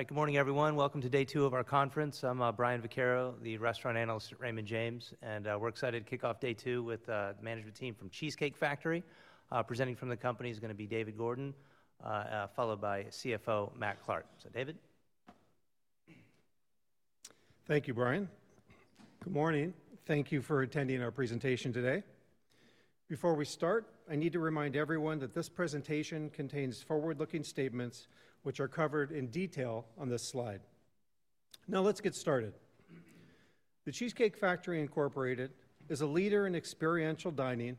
All right, good morning, everyone. Welcome to day two of our conference. I'm Brian Vaccaro, the restaurant analyst at Raymond James, and we're excited to kick off day two with the management team from Cheesecake Factory. Presenting from the company is going to be David Gordon, followed by CFO Matt Clark. So, David. Thank you, Brian. Good morning. Thank you for attending our presentation today. Before we start, I need to remind everyone that this presentation contains forward-looking statements, which are covered in detail on this slide. Now, let's get started. The Cheesecake Factory Incorporated is a leader in experiential dining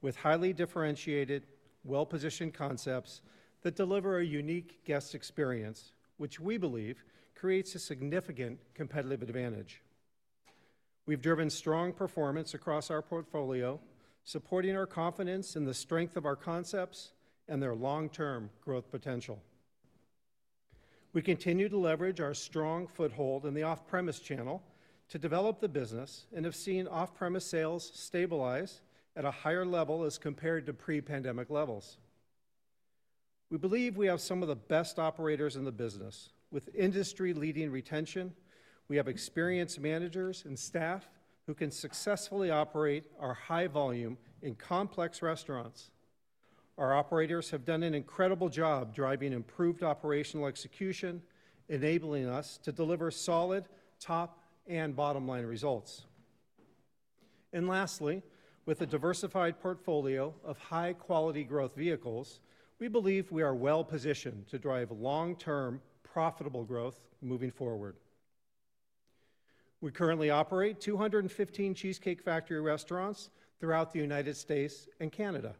with highly differentiated, well-positioned concepts that deliver a unique guest experience, which we believe creates a significant competitive advantage. We've driven strong performance across our portfolio, supporting our confidence in the strength of our concepts and their long-term growth potential. We continue to leverage our strong foothold in the off-premise channel to develop the business and have seen off-premise sales stabilize at a higher level as compared to pre-pandemic levels. We believe we have some of the best operators in the business. With industry-leading retention, we have experienced managers and staff who can successfully operate our high volume in complex restaurants. Our operators have done an incredible job driving improved operational execution, enabling us to deliver solid top and bottom-line results, and lastly, with a diversified portfolio of high-quality growth vehicles, we believe we are well-positioned to drive long-term profitable growth moving forward. We currently operate 215 Cheesecake Factory restaurants throughout the United States and Canada.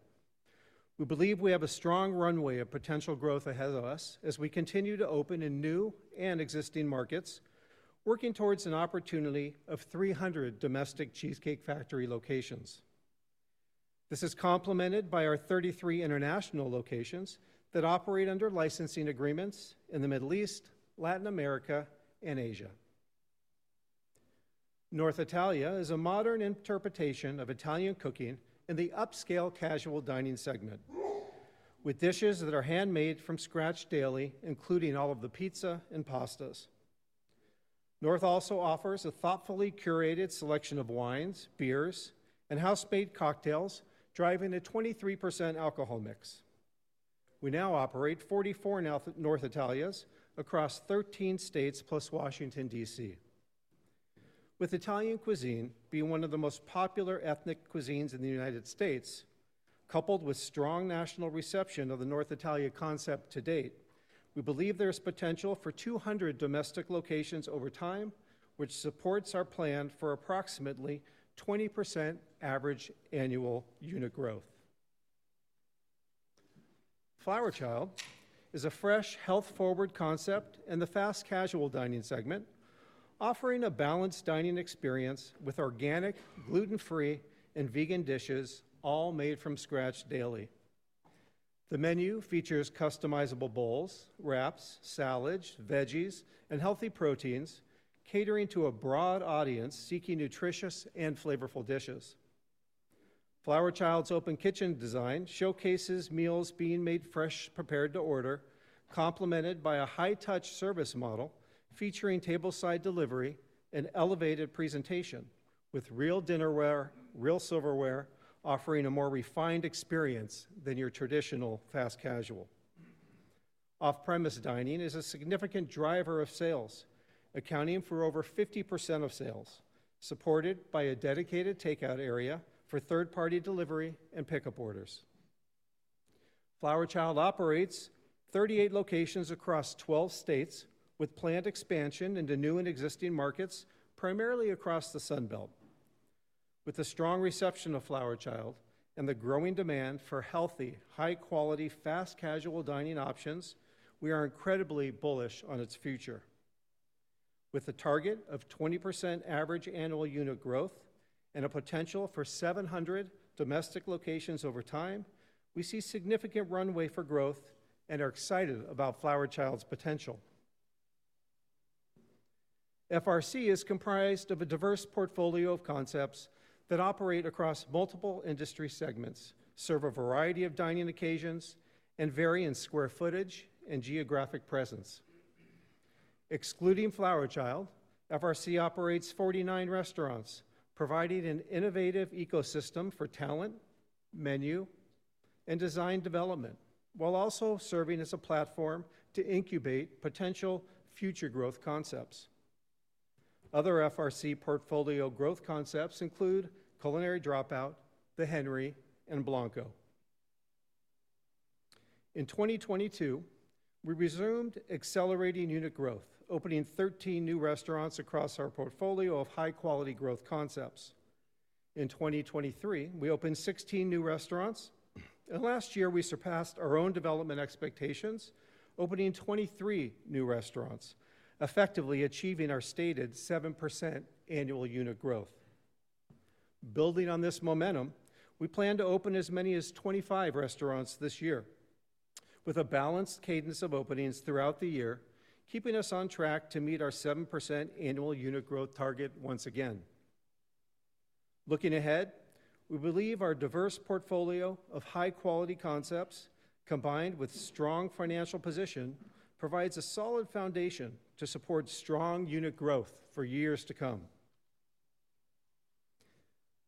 We believe we have a strong runway of potential growth ahead of us as we continue to open in new and existing markets, working towards an opportunity of 300 domestic Cheesecake Factory locations. This is complemented by our 33 international locations that operate under licensing agreements in the Middle East, Latin America, and Asia. North Italia is a modern interpretation of Italian cooking in the upscale casual dining segment, with dishes that are handmade from scratch daily, including all of the pizza and pastas. North Italia also offers a thoughtfully curated selection of wines, beers, and house-made cocktails, driving a 23% alcohol mix. We now operate 44 North Italias across 13 states plus Washington, D.C. With Italian cuisine being one of the most popular ethnic cuisines in the United States, coupled with strong national reception of the North Italia concept to date, we believe there is potential for 200 domestic locations over time, which supports our plan for approximately 20% average annual unit growth. Flower Child is a fresh, health-forward concept in the fast casual dining segment, offering a balanced dining experience with organic, gluten-free, and vegan dishes, all made from scratch daily. The menu features customizable bowls, wraps, salads, veggies, and healthy proteins, catering to a broad audience seeking nutritious and flavorful dishes. Flower Child's open kitchen design showcases meals being made fresh, prepared to order, complemented by a high-touch service model featuring table-side delivery and elevated presentation, with real dinnerware, real silverware, offering a more refined experience than your traditional fast casual. Off-premise dining is a significant driver of sales, accounting for over 50% of sales, supported by a dedicated takeout area for third-party delivery and pickup orders. Flower Child operates 38 locations across 12 states, with planned expansion into new and existing markets primarily across the Sun Belt. With the strong reception of Flower Child and the growing demand for healthy, high-quality, fast casual dining options, we are incredibly bullish on its future. With a target of 20% average annual unit growth and a potential for 700 domestic locations over time, we see significant runway for growth and are excited about Flower Child's potential. FRC is comprised of a diverse portfolio of concepts that operate across multiple industry segments, serve a variety of dining occasions, and vary in square footage and geographic presence. Excluding Flower Child, FRC operates 49 restaurants, providing an innovative ecosystem for talent, menu, and design development, while also serving as a platform to incubate potential future growth concepts. Other FRC portfolio growth concepts include Culinary Dropout, The Henry and Blanco. In 2022, we resumed accelerating unit growth, opening 13 new restaurants across our portfolio of high-quality growth concepts. In 2023, we opened 16 new restaurants, and last year, we surpassed our own development expectations, opening 23 new restaurants, effectively achieving our stated 7% annual unit growth. Building on this momentum, we plan to open as many as 25 restaurants this year, with a balanced cadence of openings throughout the year, keeping us on track to meet our 7% annual unit growth target once again. Looking ahead, we believe our diverse portfolio of high-quality concepts, combined with strong financial position, provides a solid foundation to support strong unit growth for years to come.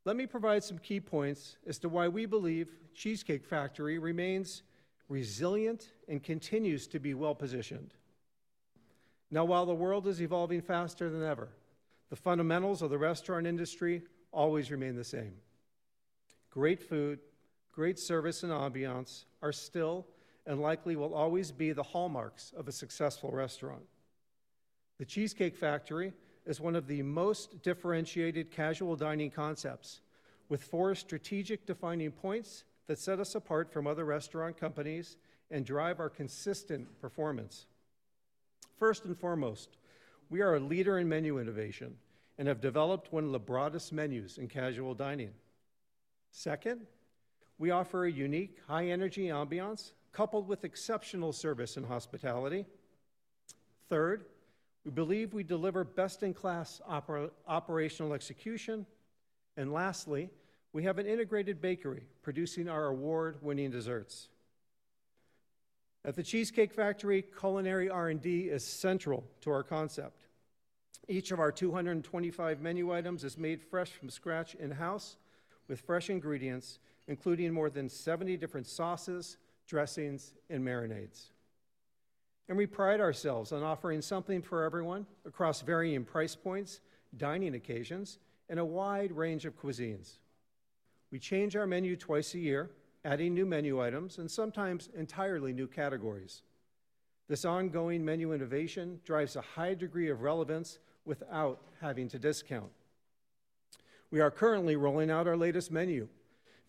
Let me provide some key points as to why we believe Cheesecake Factory remains resilient and continues to be well-positioned. Now, while the world is evolving faster than ever, the fundamentals of the restaurant industry always remain the same. Great food, great service, and ambiance are still and likely will always be the hallmarks of a successful restaurant. The Cheesecake Factory is one of the most differentiated casual dining concepts, with four strategic defining points that set us apart from other restaurant companies and drive our consistent performance. First and foremost, we are a leader in menu innovation and have developed one of the broadest menus in casual dining. Second, we offer a unique high-energy ambiance coupled with exceptional service and hospitality. Third, we believe we deliver best-in-class operational execution. And lastly, we have an integrated bakery producing our award-winning desserts. At the Cheesecake Factory, Culinary R&D is central to our concept. Each of our 225 menu items is made fresh from scratch in-house with fresh ingredients, including more than 70 different sauces, dressings, and marinades. And we pride ourselves on offering something for everyone across varying price points, dining occasions, and a wide range of cuisines. We change our menu twice a year, adding new menu items and sometimes entirely new categories. This ongoing menu innovation drives a high degree of relevance without having to discount. We are currently rolling out our latest menu,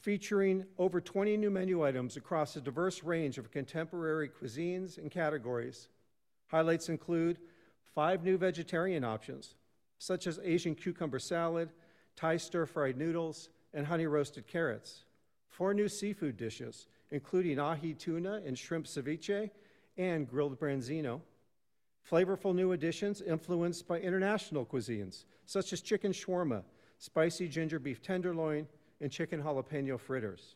featuring over 20 new menu items across a diverse range of contemporary cuisines and categories. Highlights include five new vegetarian options, such as Asian Cucumber Salad, Thai Stir-Fried Noodles, and Honey Roasted Carrots. Four new seafood dishes, including Ahi Tuna and Shrimp Ceviche and Grilled Branzino. Flavorful new additions influenced by international cuisines, such as Chicken Shawarma, Spicy Ginger Beef Tenderloin, and Chicken Jalapeño Fritters.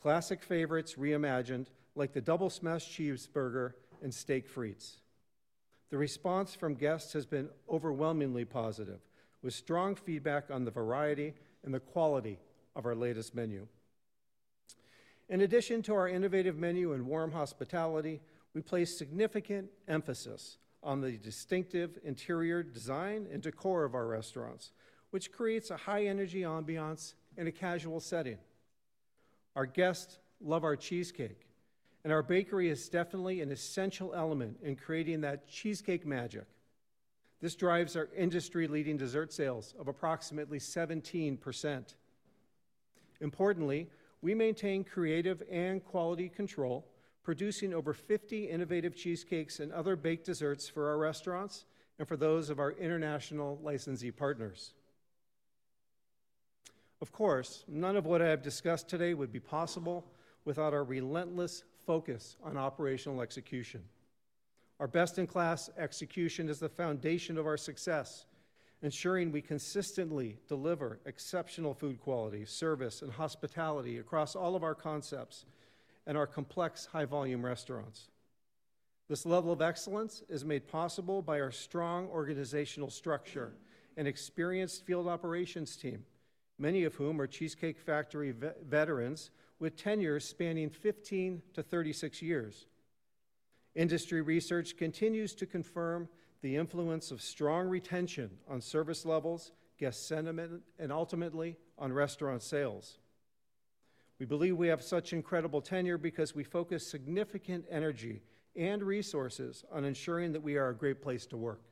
Classic favorites reimagined, like the Double Smashed Cheeseburger and Steak Frites. The response from guests has been overwhelmingly positive, with strong feedback on the variety and the quality of our latest menu. In addition to our innovative menu and warm hospitality, we place significant emphasis on the distinctive interior design and decor of our restaurants, which creates a high-energy ambiance in a casual setting. Our guests love our cheesecake, and our bakery is definitely an essential element in creating that cheesecake magic. This drives our industry-leading dessert sales of approximately 17%. Importantly, we maintain creative and quality control, producing over 50 innovative cheesecakes and other baked desserts for our restaurants and for those of our international licensee partners. Of course, none of what I have discussed today would be possible without our relentless focus on operational execution. Our best-in-class execution is the foundation of our success, ensuring we consistently deliver exceptional food quality, service, and hospitality across all of our concepts and our complex high-volume restaurants. This level of excellence is made possible by our strong organizational structure and experienced field operations team, many of whom are Cheesecake Factory veterans with tenures spanning 15-36 years. Industry research continues to confirm the influence of strong retention on service levels, guest sentiment, and ultimately on restaurant sales. We believe we have such incredible tenure because we focus significant energy and resources on ensuring that we are a great place to work.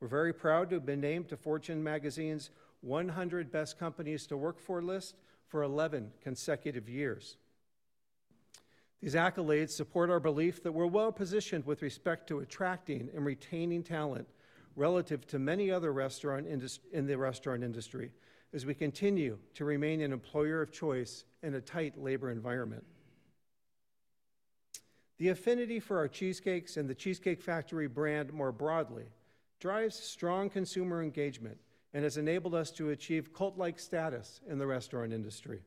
We're very proud to have been named to Fortune magazine's 100 Best Companies to Work For list for 11 consecutive years. These accolades support our belief that we're well-positioned with respect to attracting and retaining talent relative to many other restaurants in the restaurant industry, as we continue to remain an employer of choice in a tight labor environment. The affinity for our cheesecakes and The Cheesecake Factory brand more broadly drives strong consumer engagement and has enabled us to achieve cult-like status in the restaurant industry.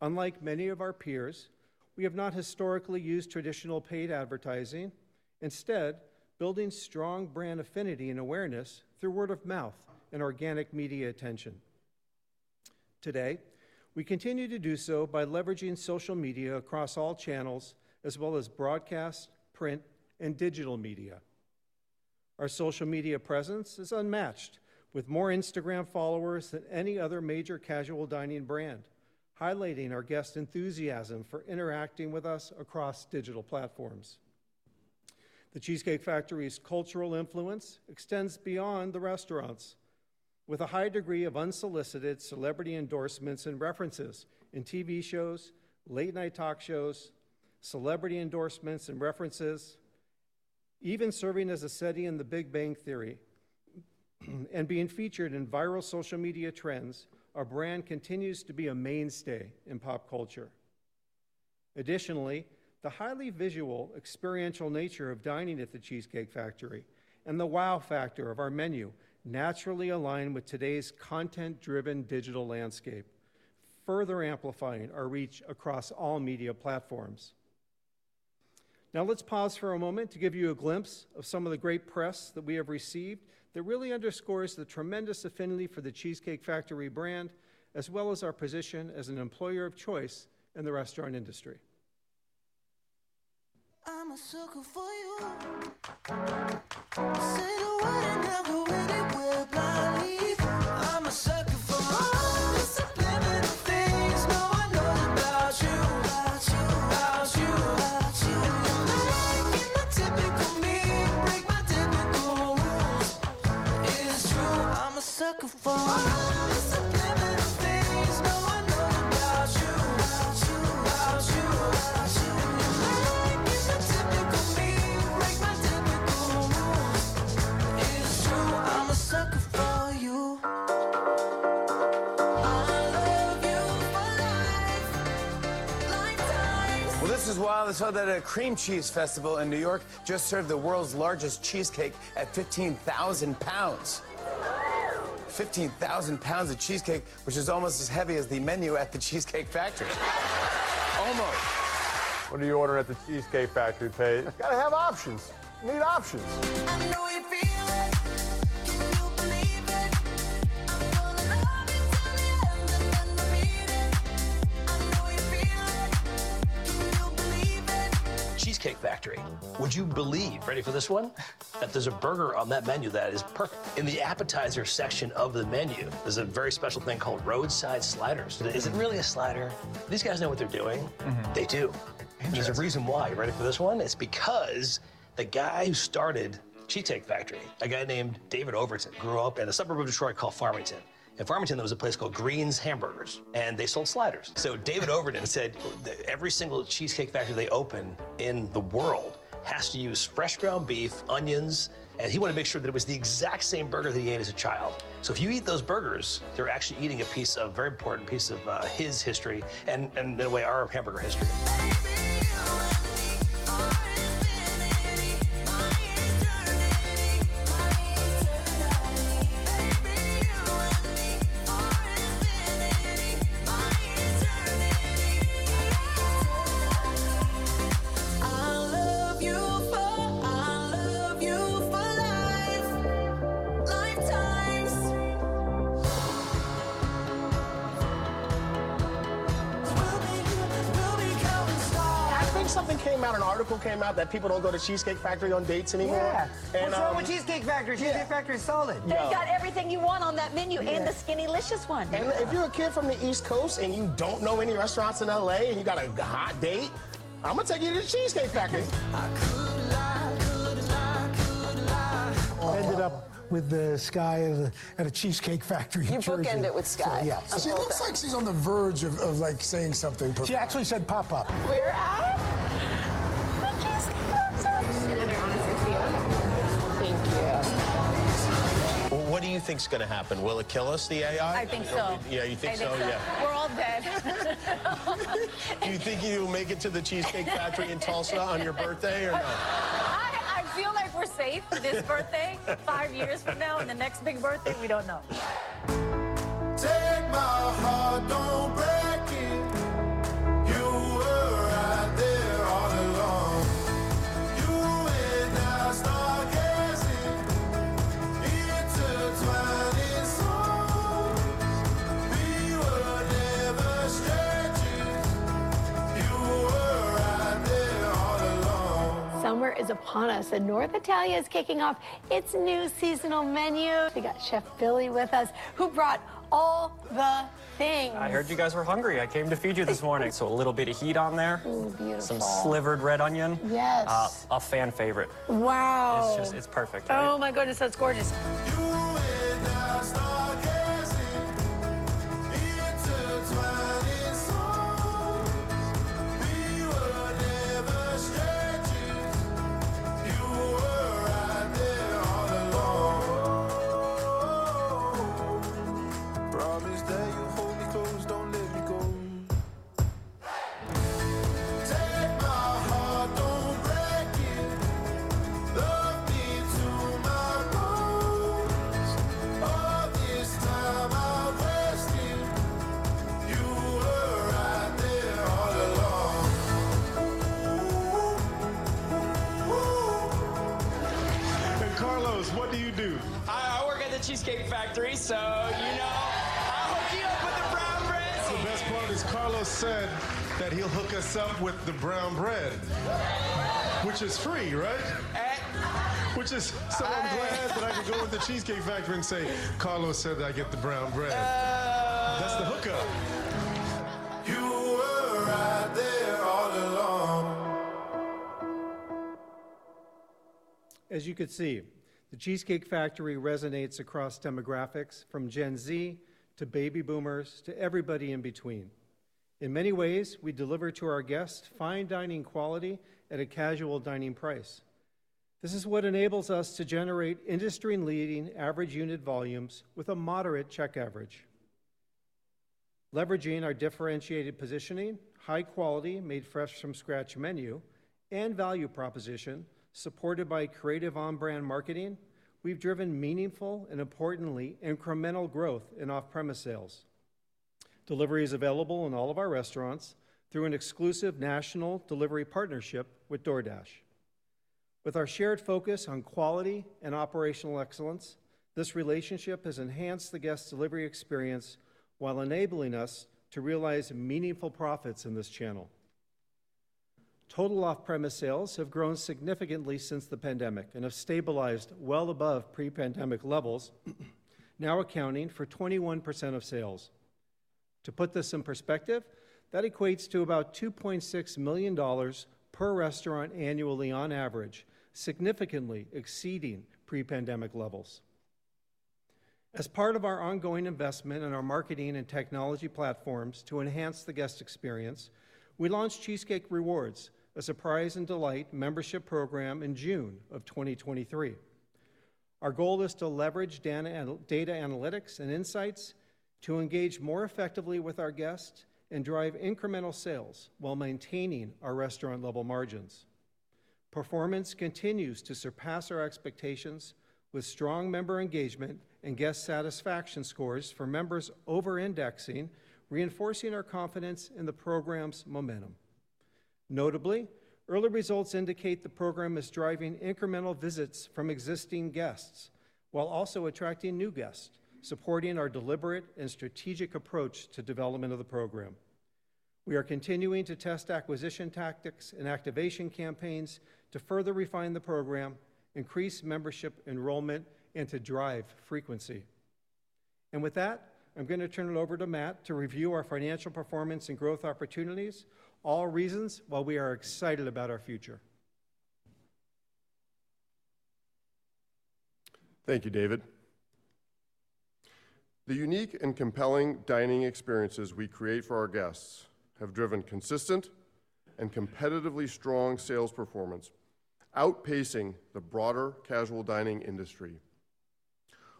Unlike many of our peers, we have not historically used traditional paid advertising. Instead, building strong brand affinity and awareness through word of mouth and organic media attention. Today, we continue to do so by leveraging social media across all channels, as well as broadcast, print, and digital media. Our social media presence is unmatched, with more Instagram followers than any other major casual dining brand, highlighting our guest enthusiasm for interacting with us across digital platforms. The Cheesecake Factory's cultural influence extends beyond the restaurants, with a high degree of unsolicited celebrity endorsements and references in TV shows, late-night talk shows, even serving as a setting in The Big Bang Theory. Being featured in viral social media trends, our brand continues to be a mainstay in pop culture. Additionally, the highly visual, experiential nature of dining at The Cheesecake Factory and the wow factor of our menu naturally align with today's content-driven digital landscape, further amplifying our reach across all media platforms. Now, let's pause for a moment to give you a glimpse of some of the great press that we have received that really underscores the tremendous affinity for The Cheesecake Factory brand, as well as our position as an employer of choice in the restaurant industry. Well, this is wild. I saw that at a Cream Cheese Festival in New York just served the world's largest cheesecake at 15,000 pounds. 15,000 pounds of cheesecake, which is almost as heavy as the menu at the Cheesecake Factory. Almost. What do you order at the Cheesecake Factory, Pay? Gotta have options. You need options. I know you feel it. Can you believe it? I'm gonna love you till the end and then the meeting. I know you feel it. Can you believe it? Cheesecake Factory. Would you believe, ready for this one, that there's a burger on that menu that is perfect? In the appetizer section of the menu, there's a very special thing called Roadside Sliders. Is it really a slider? These guys know what they're doing. They do. There's a reason why. You ready for this one? It's because the guy who started Cheesecake Factory, a guy named David Overton, grew up in asuburb of Detroit called Farmington. In Farmington, there was a place called Greene's Hamburgers, and they sold sliders. So David Overton said every single cheesecake factory they open in the world has to use fresh ground beef, onions, and he wanted to make sure that it was the exact same burger that he ate as a child. So if you eat those burgers, you're actually eating a piece of, very important piece of his history and, in a way, our hamburger history. Baby, you and me, our infinity, my eternity, my eternity. Baby, you and me, our infinity, my eternity, my eternity. I love you for, I love you for life, lifetimes. We'll be here, we'll be coming strong. I think something came out, an article came out that people don't go to Cheesecake Factory on dates anymore. Yeah. What's wrong with Cheesecake Factory? Cheesecake Factory is solid. You got everything you want on that menu and the SkinnyLicious one. And if you're a kid from the East Coast and you don't know any restaurants in LA and you got a hot date, I'm gonna take you to the Cheesecake Factory. I could lie, could lie, could lie. I ended up with the sky at a Cheesecake Factory. You bookended with sky. Yeah. She looks like she's on the verge of, like, saying something. She actually said, "Pop up." We're at the Cheesecake Factory. You're gonna be honest with me. Thank you. What do you think's gonna happen? Will it kill us, the AI? I think so. Yeah, you think so? Yeah. We're all dead. Do you think you'll make it to the Cheesecake Factory in Tulsa on your birthday or no? I feel like we're safe for this birthday, five years from now, and the next big birthday, we don't know. Take my heart, don't break it. You were right there all along. You went out stark as it, intertwining songs. We were never strangers. You were right there all along. Summer is upon us, and North Italia is kicking off its new seasonal menu. We got Chef Billy with us, who brought all the things. I heard you guys were hungry. I came to feed you this morning. So a little bit of heat on there. Ooh, beautiful. Some slivered red onion. Yes. A fan favorite. Wow. It's just, it's perfect. Oh my goodness, that's gorgeous. You went out stark as it, intertwining songs. We were never strangers. You were right there all along. Promise that you'll hold me close, don't let me go. Take my heart, don't break it. Love me to my bones. All this time I've wasted. You were right there all along. Hey, Carlos, what do you do? I work at The Cheesecake Factory, so, you know, I hook you up with the brown bread. The best part is Carlos said that he'll hook us up with the brown bread, which is free, right? Which is, so I'm glad that I can go to The Cheesecake Factory and say, "Carlos said that I get the brown bread." That's the hookup. You were right there all along. As you could see, The Cheesecake Factory resonates across demographics, from Gen Z to Baby Boomers to everybody in between. In many ways, we deliver to our guests fine dining quality at a casual dining price. This is what enables us to generate industry-leading average unit volumes with a moderate check average. Leveraging our differentiated positioning, high-quality, made-fresh-from-scratch menu, and value proposition supported by creative on-brand marketing, we've driven meaningful and, importantly, incremental growth in off-premise sales. Delivery is available in all of our restaurants through an exclusive national delivery partnership with DoorDash. With our shared focus on quality and operational excellence, this relationship has enhanced the guest delivery experience while enabling us to realize meaningful profits in this channel. Total off-premise sales have grown significantly since the pandemic and have stabilized well above pre-pandemic levels, now accounting for 21% of sales. To put this in perspective, that equates to about $2.6 million per restaurant annually on average, significantly exceeding pre-pandemic levels. As part of our ongoing investment in our marketing and technology platforms to enhance the guest experience, we launched Cheesecake Rewards, a surprise and delight membership program in June of 2023. Our goal is to leverage data analytics and insights to engage more effectively with our guests and drive incremental sales while maintaining our restaurant-level margins. Performance continues to surpass our expectations with strong member engagement and guest satisfaction scores for members over-indexing, reinforcing our confidence in the program's momentum. Notably, early results indicate the program is driving incremental visits from existing guests while also attracting new guests, supporting our deliberate and strategic approach to development of the program. We are continuing to test acquisition tactics and activation campaigns to further refine the program, increase membership enrollment, and to drive frequency, and with that, I'm gonna turn it over to Matt to review our financial performance and growth opportunities, all reasons why we are excited about our future. Thank you, David. The unique and compelling dining experiences we create for our guests have driven consistent and competitively strong sales performance, outpacing the broader casual dining industry.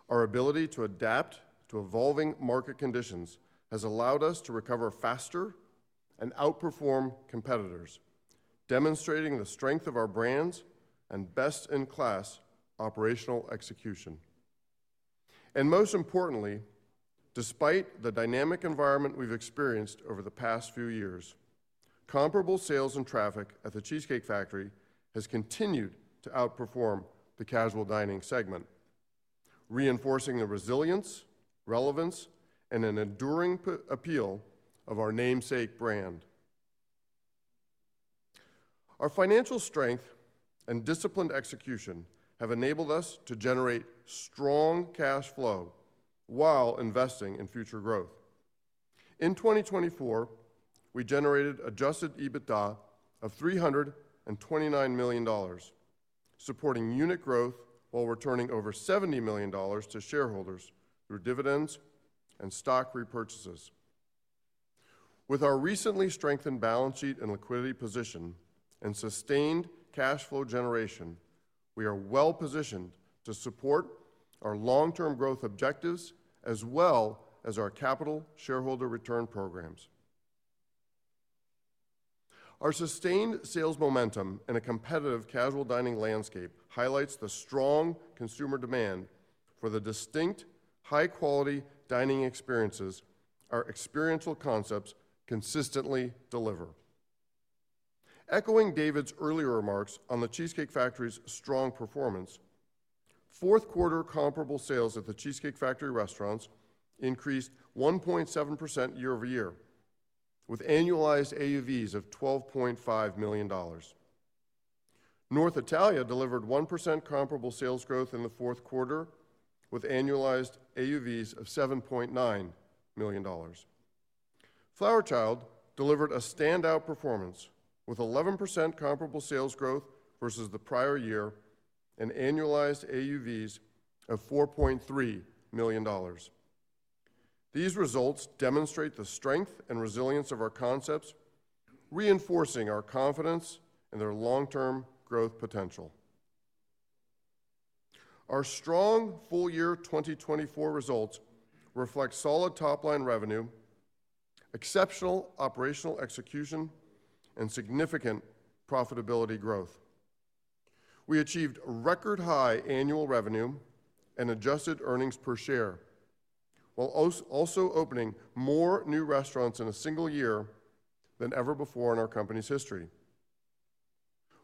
Our ability to adapt to evolving market conditions has allowed us to recover faster and outperform competitors, demonstrating the strength of our brands and best-in-class operational execution, and most importantly, despite the dynamic environment we've experienced over the past few years, comparable sales and traffic at The Cheesecake Factory has continued to outperform the casual dining segment, reinforcing the resilience, relevance, and an enduring appeal of our namesake brand. Our financial strength and disciplined execution have enabled us to generate strong cash flow while investing in future growth. In 2024, we generated adjusted EBITDA of $329 million, supporting unit growth while returning over $70 million to shareholders through dividends and stock repurchases. With our recently strengthened balance sheet and liquidity position and sustained cash flow generation, we are well-positioned to support our long-term growth objectives as well as our capital shareholder return programs. Our sustained sales momentum in a competitive casual dining landscape highlights the strong consumer demand for the distinct, high-quality dining experiences our experiential concepts consistently deliver. Echoing David's earlier remarks on The Cheesecake Factory's strong performance, fourth-quarter comparable sales at the Cheesecake Factory restaurants increased 1.7% year-over-year, with annualized AUVs of $12.5 million. North Italia delivered 1% comparable sales growth in the fourth quarter, with annualized AUVs of $7.9 million. Flower Child delivered a standout performance with 11% comparable sales growth versus the prior year and annualized AUVs of $4.3 million. These results demonstrate the strength and resilience of our concepts, reinforcing our confidence in their long-term growth potential. Our strong full-year 2024 results reflect solid top-line revenue, exceptional operational execution, and significant profitability growth. We achieved record-high annual revenue and adjusted earnings per share, while also opening more new restaurants in a single year than ever before in our company's history.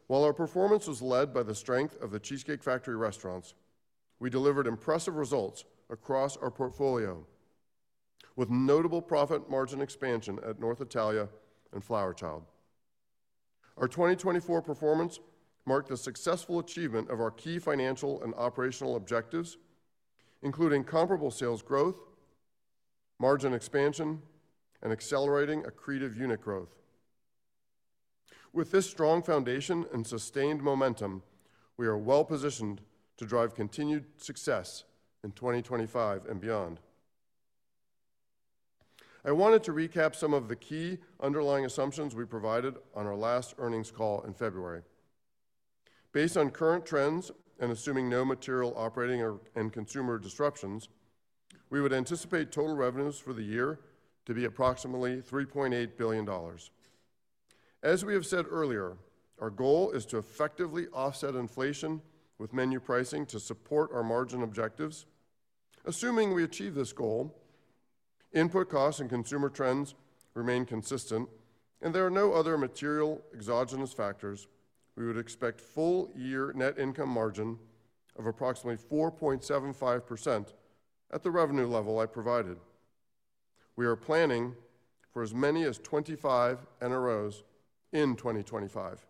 While our performance was led by the strength of The Cheesecake Factory restaurants, we delivered impressive results across our portfolio, with notable profit margin expansion at North Italia and Flower Child. Our 2024 performance marked the successful achievement of our key financial and operational objectives, including comparable sales growth, margin expansion, and accelerating accretive unit growth. With this strong foundation and sustained momentum, we are well-positioned to drive continued success in 2025 and beyond. I wanted to recap some of the key underlying assumptions we provided on our last earnings call in February. Based on current trends and assuming no material operating and consumer disruptions, we would anticipate total revenues for the year to be approximately $3.8 billion. As we have said earlier, our goal is to effectively offset inflation with menu pricing to support our margin objectives. Assuming we achieve this goal, input costs and consumer trends remain consistent, and there are no other material exogenous factors, we would expect full-year net income margin of approximately 4.75% at the revenue level I provided. We are planning for as many as 25 NROs in 2025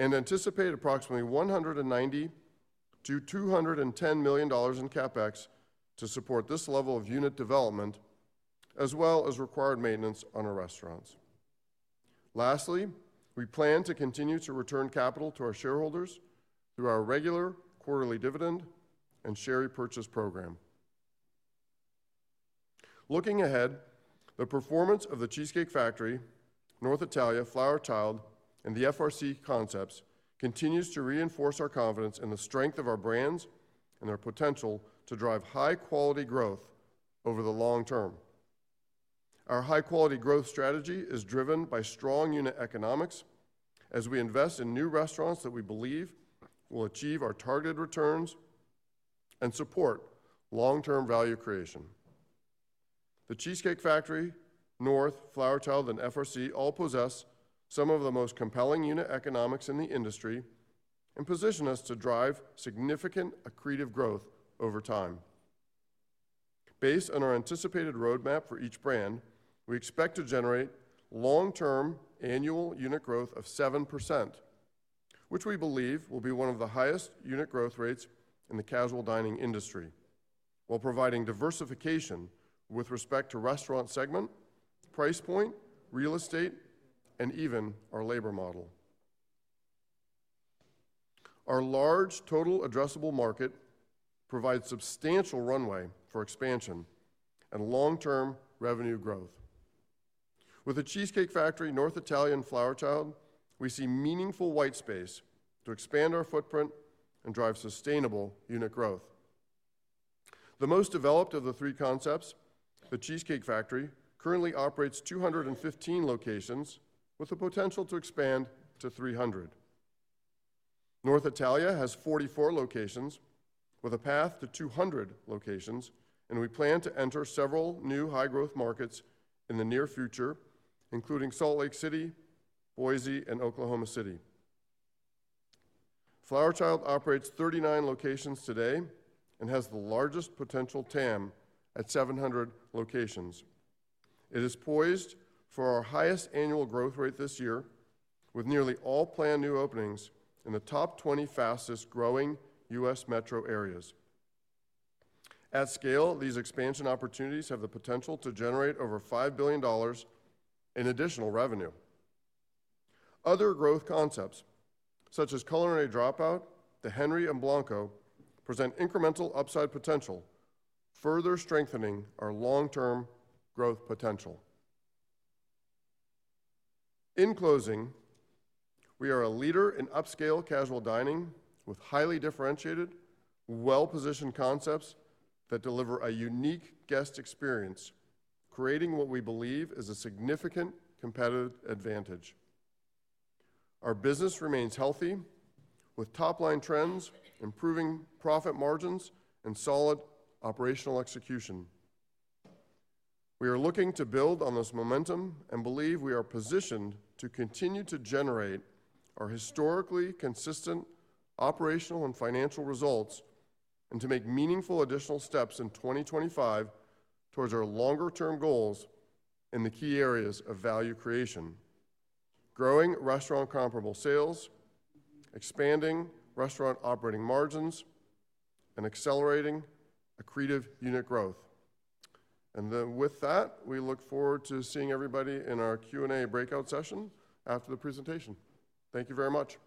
and anticipate approximately $190-$210 million in CapEx to support this level of unit development, as well as required maintenance on our restaurants. Lastly, we plan to continue to return capital to our shareholders through our regular quarterly dividend and share repurchase program. Looking ahead, the performance of The Cheesecake Factory, North Italia, Flower Child, and the FRC Concepts continues to reinforce our confidence in the strength of our brands and our potential to drive high-quality growth over the long term. Our high-quality growth strategy is driven by strong unit economics as we invest in new restaurants that we believe will achieve our targeted returns and support long-term value creation. The Cheesecake Factory, North Italia, Flower Child, and FRC all possess some of the most compelling unit economics in the industry and position us to drive significant accretive growth over time. Based on our anticipated roadmap for each brand, we expect to generate long-term annual unit growth of 7%, which we believe will be one of the highest unit growth rates in the casual dining industry, while providing diversification with respect to restaurant segment, price point, real estate, and even our labor model. Our large total addressable market provides substantial runway for expansion and long-term revenue growth. With The Cheesecake Factory, North Italia, and Flower Child, we see meaningful white space to expand our footprint and drive sustainable unit growth. The most developed of the three concepts, The Cheesecake Factory, currently operates 215 locations with a potential to expand to 300. North Italia has 44 locations with a path to 200 locations, and we plan to enter several new high-growth markets in the near future, including Salt Lake City, Boise, and Oklahoma City. Flower Child operates 39 locations today and has the largest potential TAM at 700 locations. It is poised for our highest annual growth rate this year, with nearly all planned new openings in the top 20 fastest-growing U.S. metro areas. At scale, these expansion opportunities have the potential to generate over $5 billion in additional revenue. Other growth concepts, such as Culinary Dropout, The Henry and Blanco, present incremental upside potential, further strengthening our long-term growth potential. In closing, we are a leader in upscale casual dining with highly differentiated, well-positioned concepts that deliver a unique guest experience, creating what we believe is a significant competitive advantage. Our business remains healthy, with top-line trends, improving profit margins, and solid operational execution. We are looking to build on this momentum and believe we are positioned to continue to generate our historically consistent operational and financial results and to make meaningful additional steps in 2025 towards our longer-term goals in the key areas of value creation: growing restaurant comparable sales, expanding restaurant operating margins, and accelerating accretive unit growth. And with that, we look forward to seeing everybody in our Q&A breakout session after the presentation. Thank you very much.